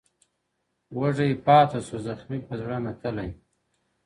وږی پاته سو زخمي په زړه نتلی،